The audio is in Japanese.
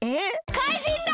かいじんだ！